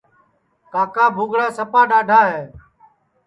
کاکا بھورا سپا ڈؔاڈھا ہے